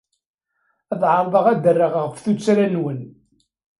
Ad ɛerḍeɣ ad d-rreɣ ɣef tuttra-nwen.